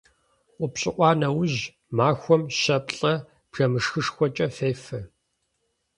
УпщӀыӀуа нэужь махуэм щэ-плӀэ бжэмышхышхуэкӀэ фефэ.